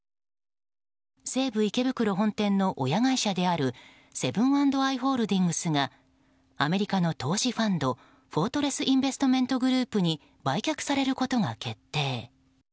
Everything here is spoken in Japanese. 西武池袋本店の親会社であるセブン＆アイ・ホールディングスがアメリカの投資ファンドフォートレス・インベストメント・グループに売却されることが決定。